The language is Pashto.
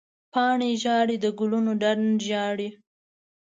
پاڼې ژاړې، د ګلونو ډنډر ژاړې